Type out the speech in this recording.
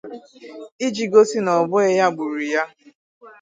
iji gosi na ọ bụghị ya gburu ya